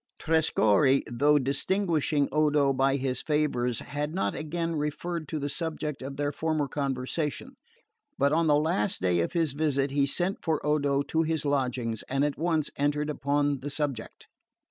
Trescorre, though distinguishing Odo by his favours, had not again referred to the subject of their former conversation; but on the last day of his visit he sent for Odo to his lodgings and at once entered upon the subject.